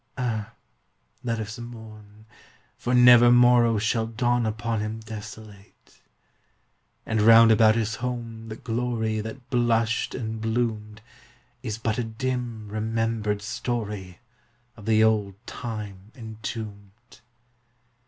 (Ah, let us mourn! for never morrow Shall dawn upon him desolate !) And round about his home the glory That blushed and bloomed, Is but a dim remembered story Of the old time entombed.